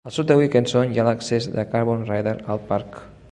Al sud de Wilkeson hi ha l"accés de Carbon River al parc.